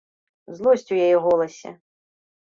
Злосць у яе голасе.